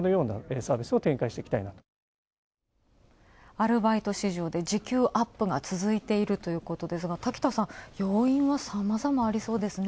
アルバイト市場で時給アップが続いているということですが、滝田さん、要因はさまざまありそうですね。